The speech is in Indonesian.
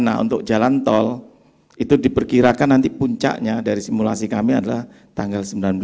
nah untuk jalan tol itu diperkirakan nanti puncaknya dari simulasi kami adalah tanggal sembilan belas